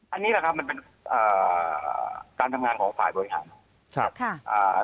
อันนี้แหละครับมันเป็นการทำงานของฝ่ายบริหาร